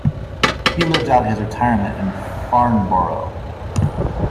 He lived out his retirement in Farnborough.